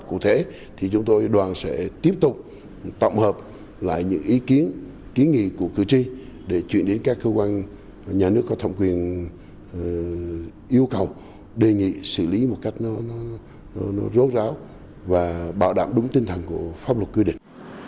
cụ thể thì chúng tôi đoàn sẽ tiếp tục tổng hợp lại những ý kiến ký nghị của cử tri để chuyển đến các cơ quan nhà nước có thẩm quyền yêu cầu đề nghị xử lý một cách nó rốt ráo và bảo đảm đúng tinh thần của pháp luật quy định